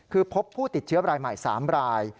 คือพบผู้ติดเชื้อรายใหม่๓ราย